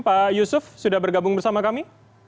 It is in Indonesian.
pak yusuf sudah bergabung bersama kami